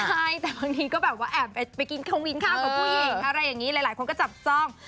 ใช่แต่บางทีก็แบบว่าแอบไปกินข้าววินข้าวกับผู้หญิงอะไรอย่างนี้หลายคนก็จับจ้อง